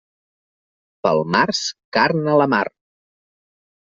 Pel març, carn a la mar.